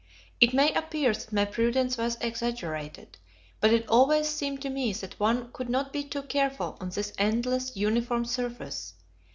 It may appear that my prudence was exaggerated, but it always seemed to me that one could not be too careful on this endless, uniform surface.